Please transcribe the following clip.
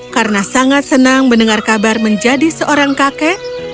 karena sangat senang mendengar kabar menjadi seorang kakek